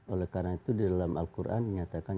oleh karena itu di dalam al quran menyatakan